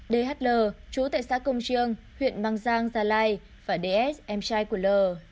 dhl chú tại xã công chiêng huyện mang giang gia lai và ds em trai của l